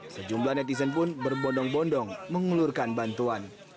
sejumlah netizen pun berbondong bondong mengelurkan bantuan